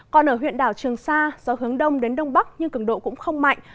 còn ở huyện đảo trường sa gió hướng đông đến đông bắc nhưng cường độ cũng không mạnh